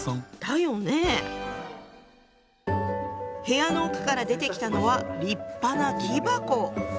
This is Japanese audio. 部屋の奥から出てきたのは立派な木箱。